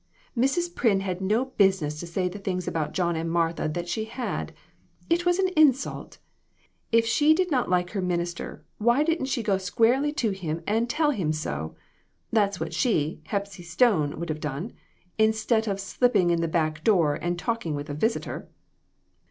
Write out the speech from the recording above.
"Mrs. Pryn had no business to say the things about John and Martha that she had. It was an insult ! If she did not like her minister, why didn't she go squarely to him, and tell him so? That is what she, Hepsy Stone, would have done, instead of slipping in at the back door and talk ing with a visitor."